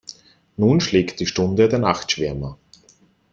Nun schlägt die Stunde der Nachtschwärmer.